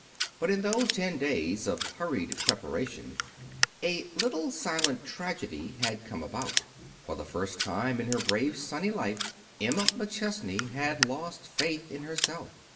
But in those ten days of hurried preparation a little silent tragedy had come about. For the first time in her brave, sunny life Emma McChesney had lost faith in herself.